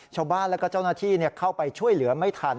ชาวบ้านแล้วก็เจ้าหน้าที่เข้าไปช่วยเหลือไม่ทัน